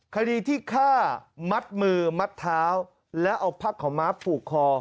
คดีที่ฆ่ามัดมือมัดเท้าแล้วเอาผ้าขาวม้าผูกคอ